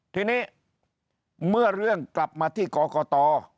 ทีนี้เมื่อเรื่องกลับมาที่กรกต